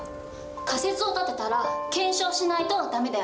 仮説を立てたら検証しないと駄目だよね。